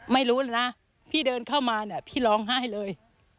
ไม่รู้เลยนะพี่เดินเข้ามาพี่ร้องไห้เลย